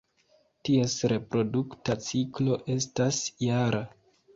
Ties reprodukta ciklo estas jara.